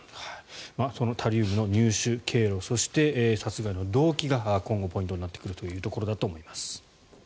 タリウムの入手経路そして、殺害の動機が今後ポイントになってくるというところだと思います。